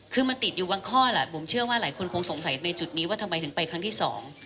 คือมันติดอยู่บางข้อแหละบุ๋มเชื่อว่าหลายคนคงสงสัยในจุดนี้ว่าทำไมถึงไปครั้งที่สอง